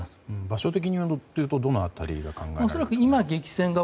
場所的にいうとどの辺りが考えられますか？